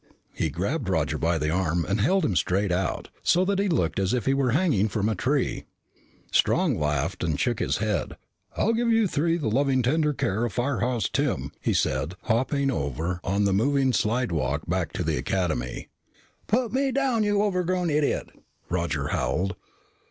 He grabbed Roger by the arm and held him straight out, so that he looked as if he were hanging from a tree. Strong laughed and shook his head. "I give you three to the loving, tender care of Firehouse Tim," he said, hopping over on the moving slidewalk, back to the Academy. "Put me down, you overgrown idiot," Roger howled.